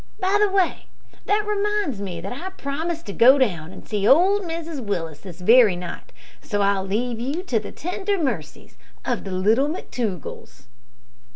By the way, that reminds me that I promised to go down to see old Mrs Willis this very night, so I'll leave you to the tender mercies of the little McTougalls."